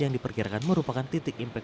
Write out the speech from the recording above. yang diperkirakan merupakan titik impact